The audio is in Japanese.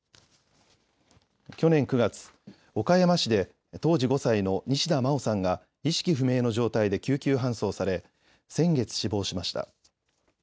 去年９月、岡山市で当時５歳の西田真愛さんが意識不明の状態で救急搬送され先月死亡しました。